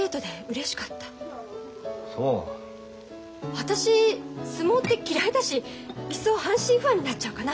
私相撲って嫌いだしいっそ阪神ファンになっちゃおうかな。